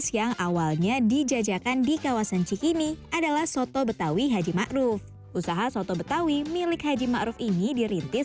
kuahnya ini agak istimewa ini kelihatannya